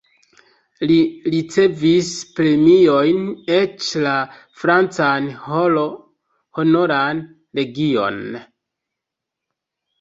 Li ricevis premiojn, eĉ la francan Honoran legion.